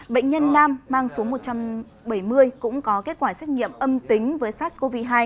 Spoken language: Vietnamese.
bệnh nhân nam mang số một trăm bảy mươi cũng có kết quả xét nghiệm âm tính với sars cov hai